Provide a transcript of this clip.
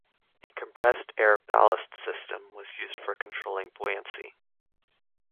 A compressed air ballast system was used for controlling buoyancy.